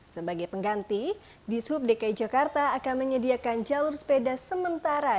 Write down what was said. sebagai pengganti dishub dki jakarta akan menyediakan jalur sepeda sementara